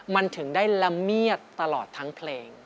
มันถึงได้ละเมียดตลอดทั้งเพลง